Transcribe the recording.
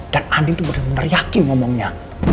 dan andin tuh bener bener yakin ngomongnya